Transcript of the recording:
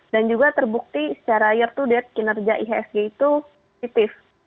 dan juga terbukti secara year to date kinerja ihsg itu positif